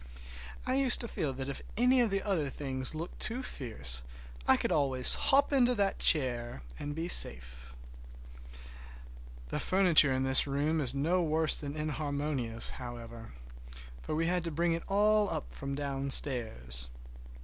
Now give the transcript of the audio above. I used to feel that if any of the other things looked too fierce I could always hop into that chair and be safe. The furniture in this room is no worse than inharmonious, however, for we had to bring it all from downstairs.